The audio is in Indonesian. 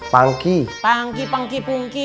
pangki pangki pengki